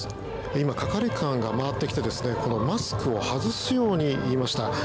今、係官が回ってきてマスクを外すように言いました。